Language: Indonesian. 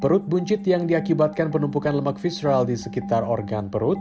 perut buncit yang diakibatkan penumpukan lemak visral di sekitar organ perut